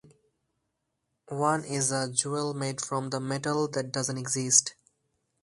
One is a jewel made from "the metal that doesn't exist".